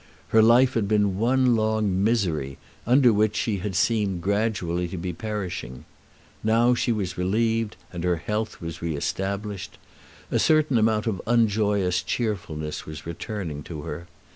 Her life had been one long misery, under which she had seemed gradually to be perishing. Now she was relieved, and her health was re established. A certain amount of unjoyous cheerfulness was returning to her.